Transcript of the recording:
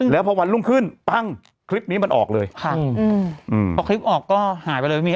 แล้วพอวันรุ่งขึ้นปั้งคลิปนี้มันออกเลยค่ะอืมพอคลิปออกก็หายไปเลยพี่